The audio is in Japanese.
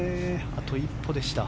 あと一歩でした。